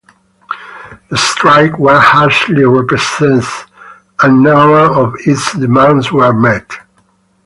The strike was harshly repressed and none of its demands were met.